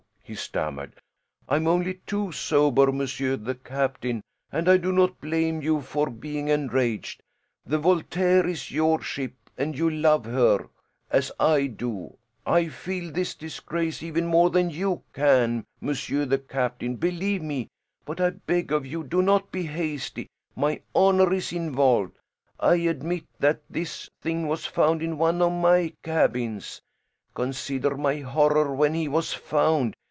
he stammered. "I am only too sober, monsieur the captain, and I do not blame you for being enraged. The Voltaire is your ship, and you love her, as I do. I feel this disgrace even more than you can, monsieur the captain, believe me. But I beg of you do not be hasty; my honor is involved. I admit that this thing was found in one of my cabins. Consider my horror when he was found.